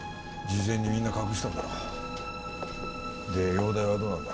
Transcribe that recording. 事前にみんな隠したんだろう。